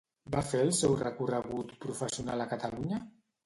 Va fer el seu recorregut professional a Catalunya?